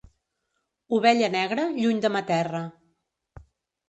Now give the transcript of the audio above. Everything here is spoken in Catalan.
Ovella negra, lluny de ma terra.